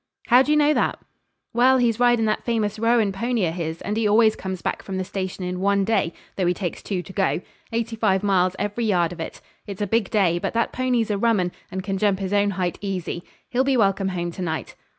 'How d'ye know that?' 'Well, he's ridin' that famous roan pony o' his, and he always comes back from the station in one day, though he takes two to go; eighty five miles every yard of it. It's a big day, but that pony's a rum un, and can jump his own height easy. He'll be welcome home to night.'